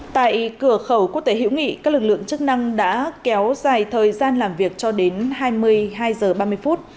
tại cửa khẩu quốc tế hữu nghị các lực lượng chức năng đã kéo dài thời gian làm việc cho đến hai mươi hai giờ ba mươi phút